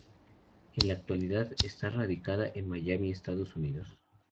En la actualidad está radicada en Miami, Estados Unidos.